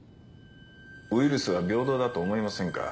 ウイルスは平等だと思いませんか？